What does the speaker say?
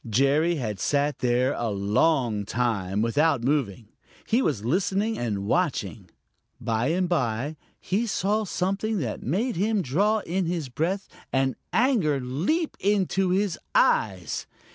Jerry had sat there a long time without moving. He was listening and watching. By and by he saw something that made him draw in his breath and anger leap into his eyes.